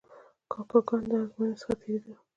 کاکه ګان د آزموینو څخه تیرېدل.